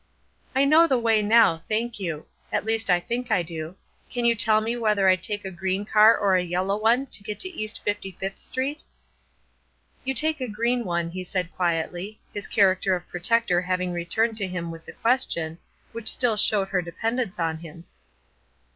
"I know the way now, thank you; at least I think I do. Can you tell me whether I take a green car or a yellow one to get to East Fifty fifth Street?" "You take a green one," he said, quietly, his character of protector having returned to him with the question, which still showed her dependence on him.